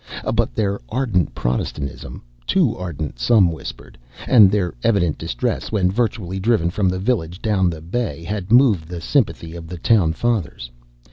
But their ardent Protestantism too ardent, some whispered and their evident distress when virtually driven from the village down the bay, had moved the sympathy of the town fathers.